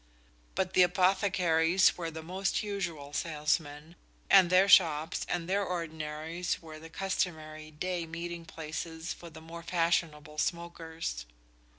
But the apothecaries were the most usual salesmen, and their shops and the ordinaries were the customary day meeting places for the more fashionable smokers.